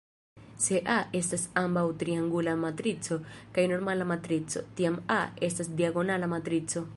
Se "A" estas ambaŭ triangula matrico kaj normala matrico, tiam "A" estas diagonala matrico.